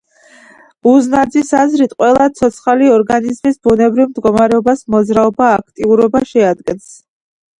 უზნაძის აზრით, ყველა ცოცხალი ორგანიზმის ბუნებრივ მდგომარეობას მოძრაობა, აქტიურობა შეადგენს.